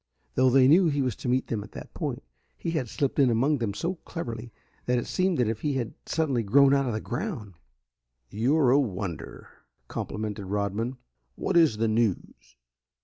Though they knew he was to meet them at that point, he had slipped in among them so cleverly that it seemed as if he had suddenly grown out of the ground. "You're a wonder," complimented Rodman. "What is the news?"